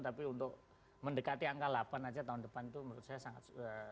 tapi untuk mendekati angka delapan aja tahun depan itu menurut saya sangat